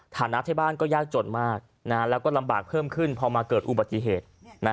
ฐานะที่บ้านก็ยากจนมากแล้วก็ลำบากเพิ่มขึ้นพอมาเกิดอุบัติเหตุ